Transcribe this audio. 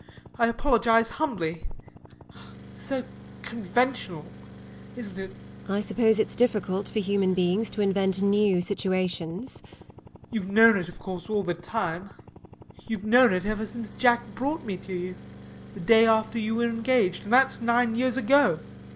I apologise humbly it's so conventional. Isn't it? LADY TORMINSTER. I suppose it's difficult for human beings to invent new situations. SIR GEOFFREY. You've known it, of course, all the time; you've known it ever since Jack brought me to you, the day after you were engaged. And that's nine years ago.